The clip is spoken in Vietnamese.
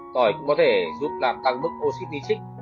tỏi cũng có thể giúp làm tăng mức oxytitric